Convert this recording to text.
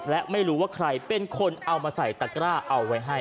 และไม่รู้ว่าใครเป็นคนเอามาใส่ตะกร้าเอาไว้ให้